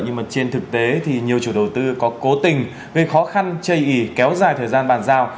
nhưng mà trên thực tế thì nhiều chủ đầu tư có cố tình gây khó khăn chây ý kéo dài thời gian bàn giao